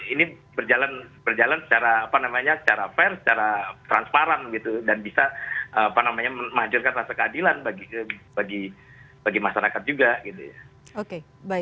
ini berjalan secara fair secara transparan dan bisa menhancurkan rasa keadilan bagi masyarakat juga